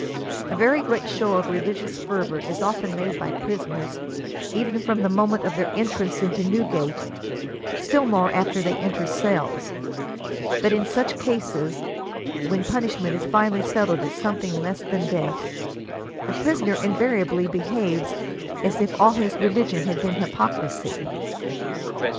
A very great show of religious fervor is often made by prisoners, even from the moment of their en trance into Newgate, still more after they enter the cells. But in such cases, when punishment is finally settled at something less than death, the prisoner invariably behaves as if all his religion had been hypocrisy."